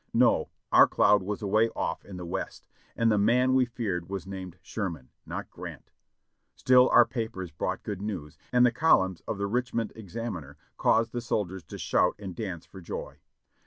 No! our cloud was away off in the West, and the man we feared was named Sherman, not Grant. Still our papers brought good news, and the columns of the Richmond Bxaininer caused the soldiers to shout atid dance for joy.